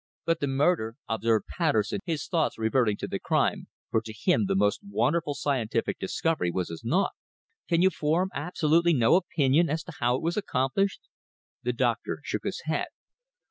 "But the murder," observed Patterson, his thoughts reverting to the crime, for to him the most wonderful scientific discovery was as naught. "Can you form absolutely no opinion as to how it was accomplished?" The doctor shook his head.